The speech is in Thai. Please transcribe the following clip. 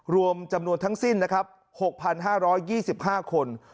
รวมจำนวนทั้งสิ้น๖๕๒๕คน